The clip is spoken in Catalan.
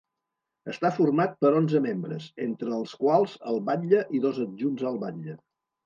Està format per onze membres, entre els quals el batlle i dos adjunts al batlle.